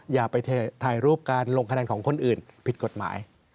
อย่าไปถ่ายรูปการลงคะแนนของคนอื่นผิดกฎหมาย